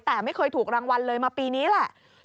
แต่ไม่เคยถูกรางวัลเลยมาปีนี้แหละ